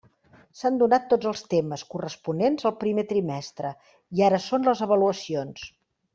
S'han donat tots els temes corresponents al primer trimestre i ara són les avaluacions.